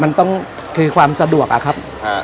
มันต้องคือความสะดวกอะครับ